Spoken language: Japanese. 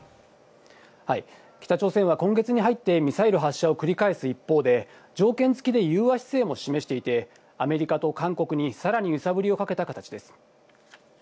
北朝鮮は今月に入ってミサイル発射を繰り返す一方で、条件付きで融和姿勢も示していてアメリカと韓国にさらに揺さぶりをかけた形です。